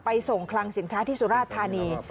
ส่งคลังสินค้าที่สุราธานี